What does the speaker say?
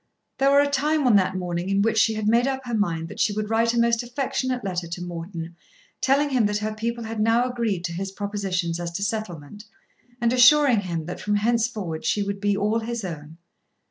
There was a time on that morning in which she had made up her mind that she would write a most affectionate letter to Morton, telling him that her people had now agreed to his propositions as to settlement, and assuring him that from henceforward she would be all his own.